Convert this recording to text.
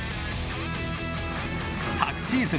昨シーズン